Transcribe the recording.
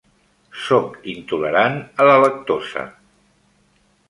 Soc intolerant a la lactosa.